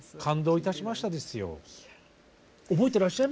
感動いたしましたですよ。